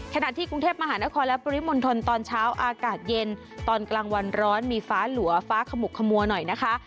ขณะที่กรุงเทพมหานครและปริมณฑลตอนเช้าอากาศเย็นตอนกลางวันร้อนมีฟ้าหลัวฟ้าขมุกขมัวหน่อยนะคะ